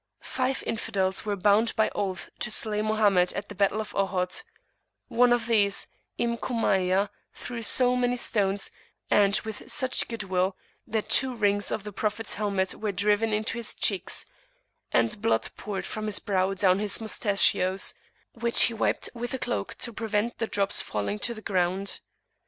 Five Infidels were bound by oath to slay Mohammed at the battle of Ohod: one of these, Ibn Kumayyah, threw so many stones, and with such goodwill, that two rings of the Prophet's helmet were driven into his cheek, and blood poured from his brow down his mustachios, which he wiped with a cloak to prevent the drops falling to the ground.